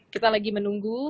kita lagi menunggu